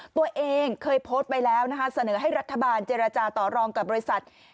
ตัวเองเคยโพสต์ไปแล้วนะคะเสนอให้รัฐบาลเจรจาต่อรองกับบริษัท